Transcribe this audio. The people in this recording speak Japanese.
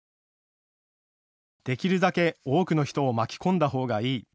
できるだけ多くの人を巻き込んだほうがいい。